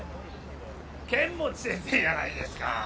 剣持先生じゃないですか！